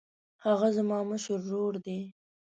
هغه زما مشر ورور دی.